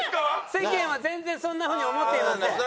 世間は全然そんな風に思っていません。